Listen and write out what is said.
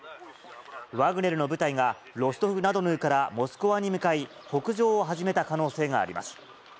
ワグネルの部隊がロストフナドヌーからモスクワに向かい、北上を始めた可能性があります。